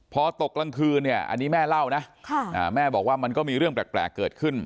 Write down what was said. พอตกกลางคืนเนี่ยอันนี้แม่เล่านะแม่บอกว่ามันก็มีเรื่องแปลกเกิดขึ้น